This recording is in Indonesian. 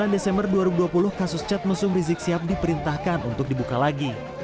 sembilan desember dua ribu dua puluh kasus cat mesum rizik sihab diperintahkan untuk dibuka lagi